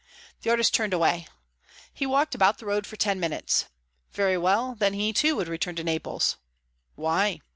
The artist turned away. He walked about the road for ten minutes. Very well; then he too would return to Naples. Why?